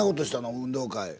運動会。